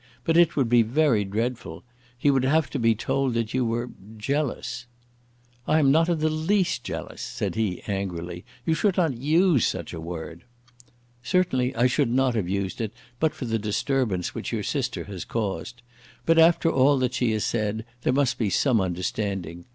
But it would be very dreadful. He would have to be told that you were jealous." "I am not in the least jealous," said he, angrily. "You should not use such a word." "Certainly I should not have used it, but for the disturbance which your sister has caused. But after all that she has said, there must be some understanding.